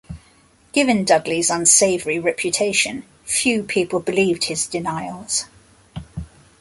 Given Dudley's unsavory reputation, few people believed his denials.